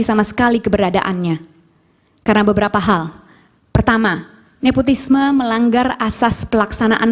sama sekali keberadaannya karena beberapa hal pertama nepotisme melanggar asas pelaksanaan